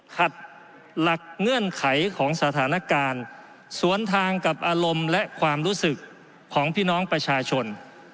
ขัดหลักเงื่อนไขของสถานการณ์สวนทางกับอารมณ์และความรู้สึกของพี่น้องประชาชน